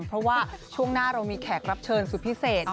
เพราะว่าช่วงหน้าเรามีแขกรับเชิญสุดพิเศษ